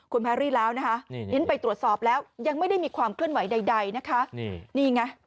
คุณแพรรี่แล้วนะคะนี่ไปตรวจสอบแล้วยังไม่ได้มีความเคลื่อนไหวใดนะคะนี่ไง